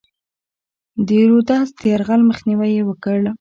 د رودز د یرغل مخنیوی یې وکړ.